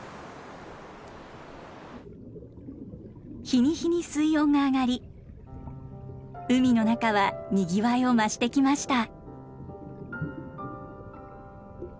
日に日に水温が上がり海の中はにぎわいを増してきました。